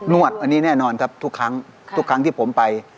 วดอันนี้แน่นอนครับทุกครั้งทุกครั้งที่ผมไป